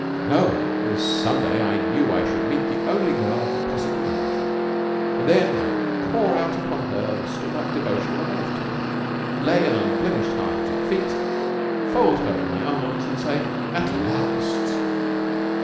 "No. Some day I knew I should meet the only girl I could possibly love, and then I would pour out upon her the stored up devotion of a lifetime, lay an unblemished heart at her feet, fold her in my arms and say 'At last!'"